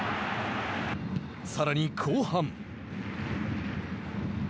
さらに後半。